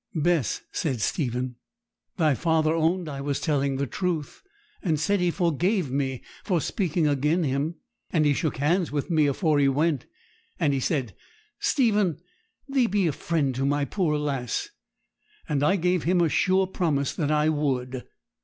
'Bess,' said Stephen, 'thy father owned I was telling the truth, and said he forgave me for speaking agen him; and he shook hands with me afore he went; and he said, "Stephen, thee be a friend to my poor lass!" and I gave him a sure promise that I would.'